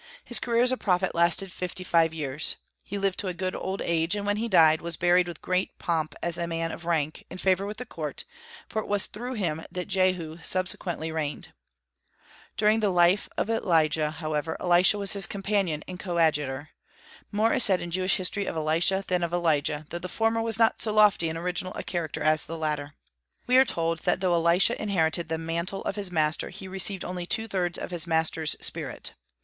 His career as prophet lasted fifty five years. He lived to a good old age, and when he died, was buried with great pomp as a man of rank, in favor with the court, for it was through him that Jehu subsequently reigned. During the life of Elijah, however, Elisha was his companion and coadjutor. More is said in Jewish history of Elisha than of Elijah, though the former was not so lofty and original a character as the latter. We are told that though Elisha inherited the mantle of his master, he received only two thirds of his master's spirit.